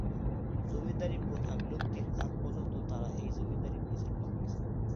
জমিদারী প্রথা বিলুপ্তির আগ পর্যন্ত তারা এই জমিদারী পরিচালনা করেছেন।